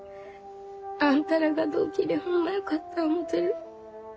あんたらが同期でホンマよかった思うてる。